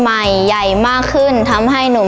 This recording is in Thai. ทางโรงเรียนยังได้จัดซื้อหม้อหุงข้าวขนาด๑๐ลิตร